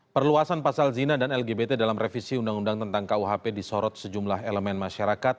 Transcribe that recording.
perluasan pasal zina dan lgbt dalam revisi undang undang tentang kuhp disorot sejumlah elemen masyarakat